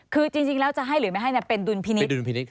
คือจริงแล้วจะให้หรือไม่ให้เป็นดุลพินิษฐ์